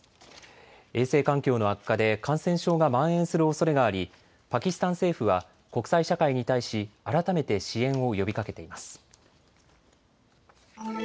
衛生環境の悪化で感染症がまん延するおそれがありパキスタン政府は国際社会に対し改めて支援を呼びかけています。